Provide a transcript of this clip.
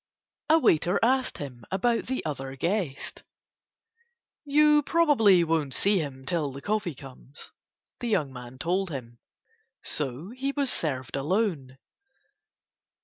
A waiter asked him about the other guest. "You probably won't see him till the coffee comes," the young man told him; so he was served alone.